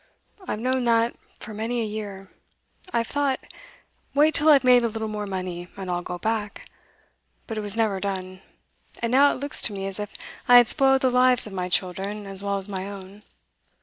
I've known that for many a year. I've thought: wait till I've made a little more money, and I'll go back. But it was never done; and now it looks to me as if I had spoilt the lives of my children, as well as my own.